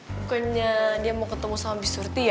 bukannya dia mau ketemu sama bisurti ya